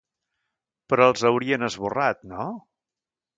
Però els haurien esborrat, no?